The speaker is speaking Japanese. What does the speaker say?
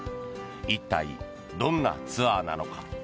一体どんなツアーなのか。